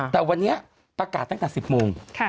แต่วันนี้ประกาศตั้งแต่๑๐โมง